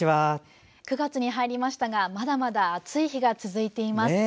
９月に入りましたがまだまだ暑い日が続いています。